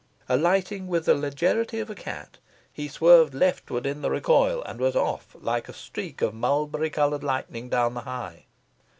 Alighting with the legerity of a cat, he swerved leftward in the recoil, and was off, like a streak of mulberry coloured lightning, down the High.